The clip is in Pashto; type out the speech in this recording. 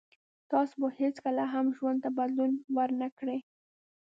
تاسو به هیڅکله هم ژوند ته بدلون ور نه کړی